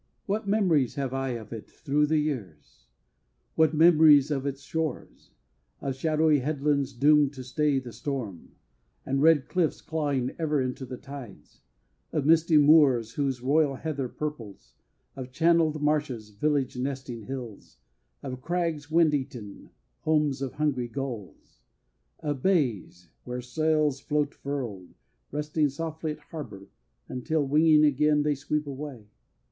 What memories have I of it thro the years! What memories of its shores!... Of shadowy headlands doomed to stay the storm; And red cliffs clawing ever into the tides; Of misty moors whose royal heather purples; Of channeled marshes, village nesting hills; Of crags wind eaten, homes of hungry gulls; Of bays Where sails float furled, resting softly at harbour, Until, winging again, they sweep away.